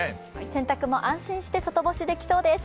洗濯も安心して外干しできそうです。